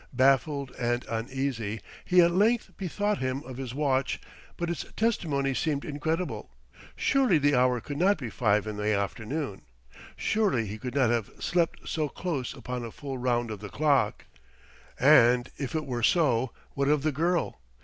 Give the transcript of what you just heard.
Baffled and uneasy, he at length bethought him of his watch. But its testimony seemed incredible: surely the hour could not be five in the afternoon! surely he could not have slept so close upon a full round of the clock! And if it were so, what of the girl?